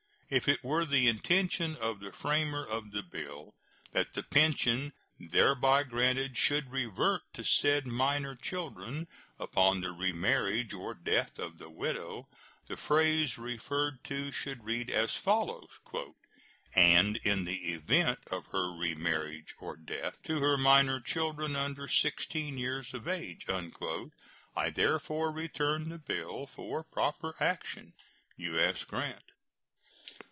If it were the intention of the framer of the bill that the pension thereby granted should revert to said minor children upon the remarriage or death of the widow, the phrase referred to should read as follows: "And in the event of her remarriage or death, to her minor children under 16 years of age." I therefore return the bill for proper action. U.S. GRANT.